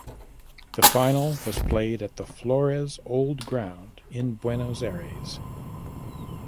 The final was played at the Flores Old Ground in Buenos Aires.